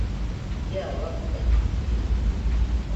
byaba fagitire